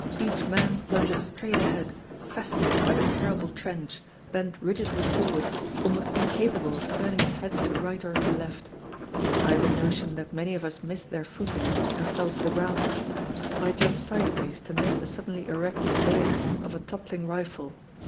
Each man plunges straight ahead, fascinated by the terrible trench, bent rigidly forward, almost incapable of turning his head to right or to left. I have a notion that many of us missed their footing and fell to the ground. I jump sideways to miss the suddenly erect bayonet of a toppling rifle.